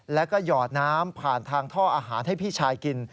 แล้วก็หยอดน้ำผ่านทางท่ออาหารให้พี่ชายกิน